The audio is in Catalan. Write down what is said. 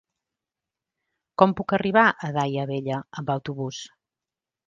Com puc arribar a Daia Vella amb autobús?